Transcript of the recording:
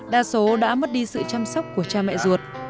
đa số đã mất đi sự chăm sóc của cha mẹ ruột